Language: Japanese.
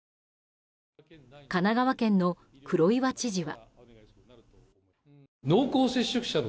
神奈川県の黒岩知事は。